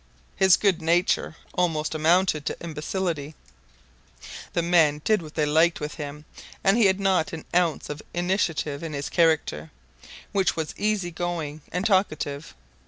His good nature almost amounted to imbecility: the men did what they liked with him, and he had not an ounce of initiative in his character, which was easy going and talkative.